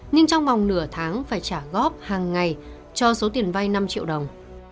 nhưng trong vòng nửa tháng phải trả góp hàng ngày cho số tiền vay năm triệu đồng